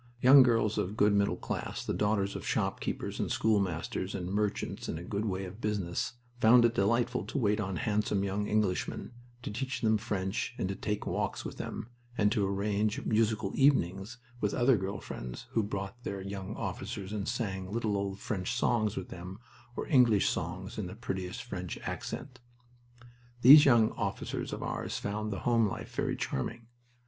Young girls of good middle class, the daughters of shopkeepers and schoolmasters, and merchants in a good way of business, found it delightful to wait on handsome young Englishmen, to teach them French, to take walks with them, and to arrange musical evenings with other girl friends who brought their young officers and sang little old French songs with them or English songs in the prettiest French accent. These young officers of ours found the home life very charming.